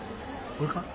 俺か？